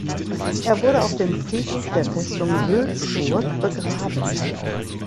Er wurde auf dem Friedhof der Festung Wülzburg begraben.